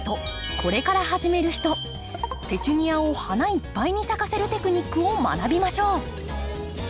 これから始める人ペチュニアを花いっぱいに咲かせるテクニックを学びましょう。